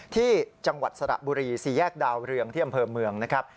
ที่จังหวัดสระบุรีสี่แยกดาวเรืองที่อำเภอเมืองนะครับ